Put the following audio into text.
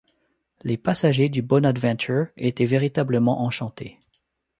Les passagers du Bonadventure étaient véritablement enchantés.